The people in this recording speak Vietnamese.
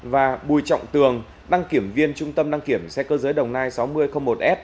và bùi trọng tường đăng kiểm viên trung tâm đăng kiểm xe cơ giới đồng nai sáu nghìn một s